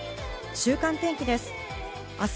週間天気です。